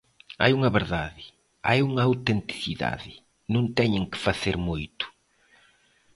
Hai unha verdade, hai unha autenticidade, non teñen que facer moito.